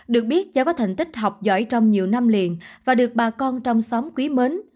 được biết do có thành tích học giỏi trong nhiều năm liền và được bà con trong xóm quý mến